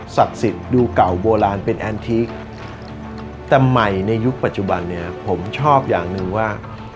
สิทธิ์ดูเก่าโบราณเป็นแอนทิคแต่ใหม่ในยุคปัจจุบันเนี่ยผมชอบอย่างหนึ่งว่า